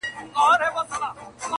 وجود غواړمه چي زغم د نسو راوړي,